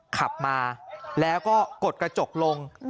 ขับมาแล้วก็กดกระจกลง